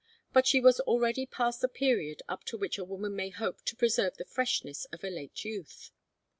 But she was already past the period up to which a woman may hope to preserve the freshness of a late youth.